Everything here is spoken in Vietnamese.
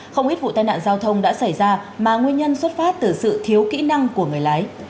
không ít vụ tai nạn giao thông đã xảy ra mà nguyên nhân xuất phát từ sự thiếu kỹ năng của người lái